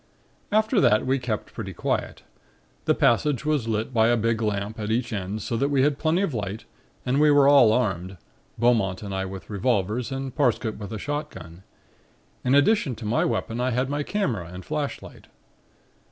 "After that we kept pretty quiet. The passage was lit by a big lamp at each end so that we had plenty of light and we were all armed, Beaumont and I with revolvers and Parsket with a shotgun. In addition to my weapon I had my camera and flashlight.